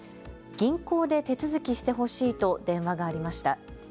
銀行で手続きしてほしいと電話がありました。